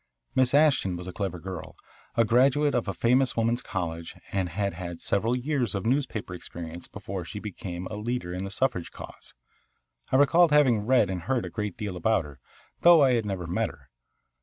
Miss Ashton was a clever girl, a graduate of a famous woman's college, and had had several years of newspaper experience before she became a leader in the suffrage cause. I recalled having read and heard a great deal about her, though I had never met her.